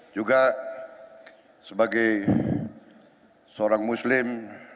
juga sebagai seorang muslim